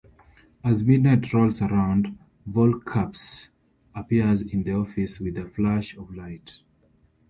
As midnight rolls around, Volkerps appears in the office with a flash of light.